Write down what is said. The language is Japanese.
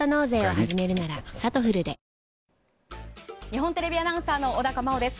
日本テレビアナウンサーの小高茉緒です。